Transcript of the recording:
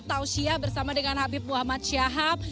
tau syiah bersama dengan habib muhammad syahab